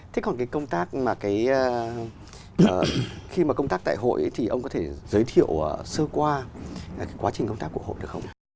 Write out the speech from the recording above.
thế còn cái công tác mà cái khi mà công tác tại hội thì ông có thể giới thiệu sơ qua quá trình công tác của hội được không ạ